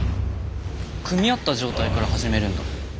組み合った状態から始めるんだ。